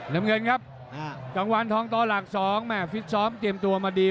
ขอบคุณครับอ่าจังหวานท้องต่อหลักสองแม่ฟิศซ้อมเตรียมตัวมาดี